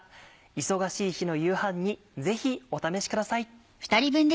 忙しい日の夕飯にぜひお試しください。